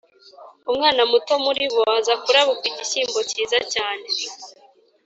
umwana muto muri bo aza kurabukwa igishyimbo kizacyane